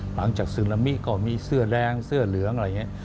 ซึนามิก็มีเสื้อแดงเสื้อเหลืองอะไรอย่างนี้